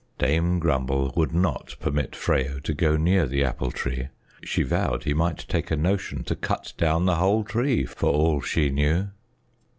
Dame Grumble would not permit Freyo to go near the Apple Tree. She vowed he might take a notion to cut down the whole tree, for all she knew.